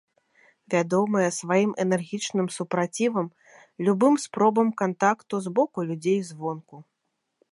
Вядомыя сваім энергічным супрацівам любым спробам кантакту з боку людзей звонку.